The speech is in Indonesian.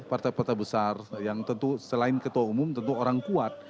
partai partai besar yang tentu selain ketua umum tentu orang kuat